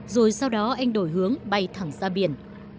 rồi sau đó anh đổi hướng bay thẳng ra biển